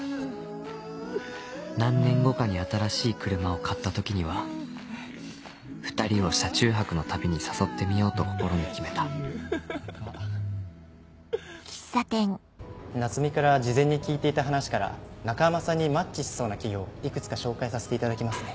何年後かに新しい車を買った時には２人を車中泊の旅に誘ってみようと心に決めた奈津美から事前に聞いていた話から中浜さんにマッチしそうな企業をいくつか紹介させていただきますね。